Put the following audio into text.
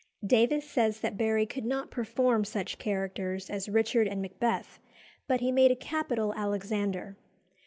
Davies says that Barry could not perform such characters as Richard and Macbeth, but he made a capital Alexander.